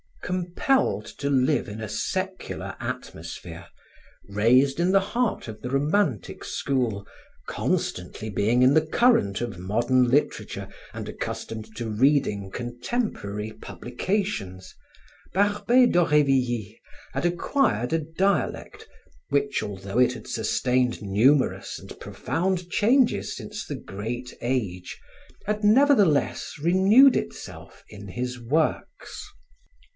Compelled to live in a secular atmosphere, raised in the heart of the romantic school, constantly being in the current of modern literature and accustomed to reading contemporary publications, Barbey d'Aurevilly had acquired a dialect which although it had sustained numerous and profound changes since the Great Age, had nevertheless renewed itself in his works.